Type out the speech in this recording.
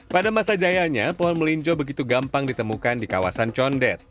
pada masa jayanya pohon melinjo begitu gampang ditemukan di kawasan condet